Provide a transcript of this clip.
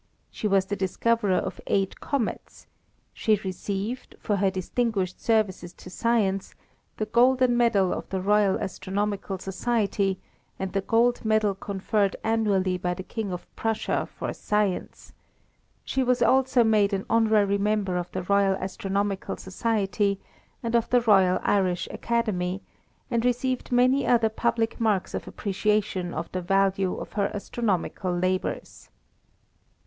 She was the discoverer of eight comets; she received, for her distinguished services to science, the gold medal of the Royal Astronomical Society, and the gold medal conferred annually by the King of Prussia for science; she was also made an honorary member of the Royal Astronomical Society and of the Royal Irish Academy, and received many other public marks of appreciation of the value of her astronomical labours.